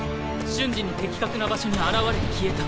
瞬時に的確な場所に現れ消えた。